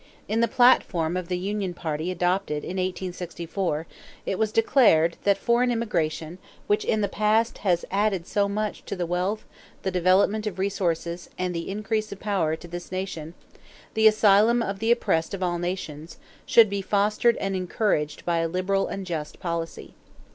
In the platform of the Union party adopted in 1864 it was declared "that foreign immigration, which in the past has added so much to the wealth, the development of resources, and the increase of power to this nation the asylum of the oppressed of all nations should be fostered and encouraged by a liberal and just policy."